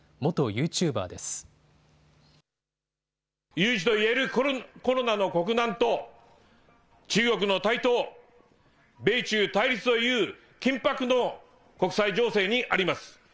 有事といえるコロナの国難と中国の台頭、米中対立という緊迫の国際情勢にあります。